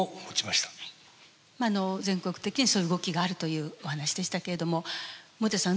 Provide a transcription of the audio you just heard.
全国的にそういう動きがあるというお話でしたけれども盛田さん